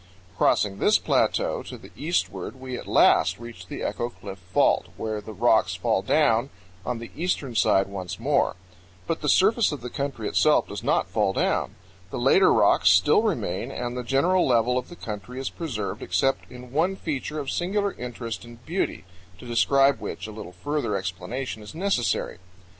Crossing this plateau to the eastward, we at last reach the Echo Cliff Fault, where the rocks fall down on the eastern side once more; but the surface of the country itself does not fall down the later rocks still remain, and the general level of the country is preserved except in one feature of singular interest and beauty, to describe which a little further explanation is necessary.